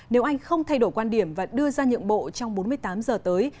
nếu anh không thay đổi quan điểm và đưa ra nhượng bộ trong bốn mươi tám giờ tới